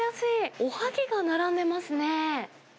おはぎが並んでますね。